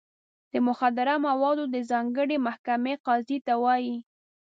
د مخدره موادو د ځانګړې محکمې قاضي ته وایي.